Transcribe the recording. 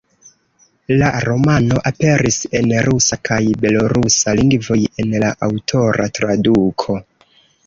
La romano aperis en rusa kaj belorusa lingvoj en la aŭtora traduko.